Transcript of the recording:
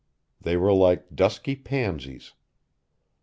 They were like dusky pansies.